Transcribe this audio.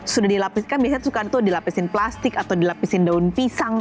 sudah dilapiskan biasanya sukanto dilapisin plastik atau dilapisin daun pisang